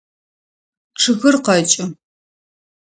Чъыгыр къэкӏы.